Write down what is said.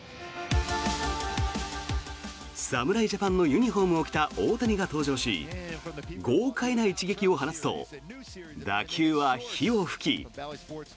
侍ジャパンのユニホームを着た大谷が登場し豪快な一撃を放つと打球は火を噴き。